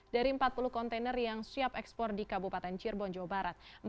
dari empat puluh kontainer yang siap ekspor di kabupaten cirebon jawa barat